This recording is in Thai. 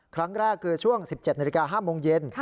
ครั้งแรกขือช่วงนาฬิกา๑๗๐๐น๕โมงเย็น